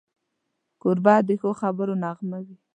کوربه د ښو خبرو نغمه وي.